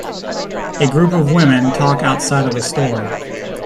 A group of women talk outside of a store.